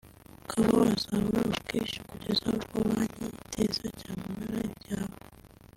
ukaba wazabura ubwishyu kugeza ubwo banki iteza cyamunara ibyawe